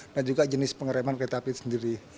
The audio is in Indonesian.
dan juga jenis pengereman kereta api itu sendiri